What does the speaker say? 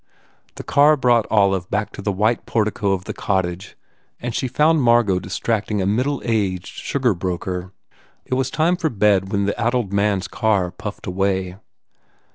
The car brought Olive back to the white portico of the cottage and she found Margot distracting a middle aged sugar broker. It was time for bed when the addled man s car puffed away.